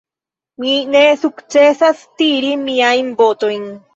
Mi ne sukcesas tiri miajn botojn.